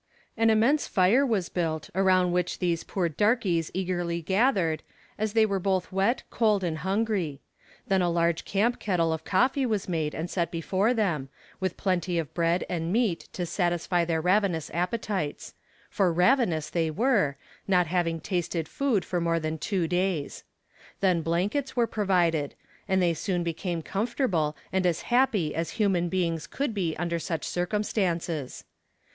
An immense fire was built, around which these poor darkies eagerly gathered, as they were both wet, cold and hungry; then a large camp kettle of coffee was made and set before them, with plenty of bread and meat to satisfy their ravenous appetites for ravenous they were, not having tasted food for more than two days. Then blankets were provided, and they soon became comfortable, and as happy as human beings could be under such circumstances.